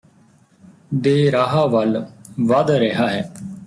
ਦੇ ਰਾਹ ਵੱਲ ਵਧ ਰਿਹਾ ਹੈ